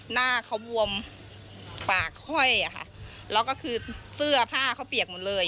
หน้าเขาบวมปากห้อยอะค่ะแล้วก็คือเสื้อผ้าเขาเปียกหมดเลย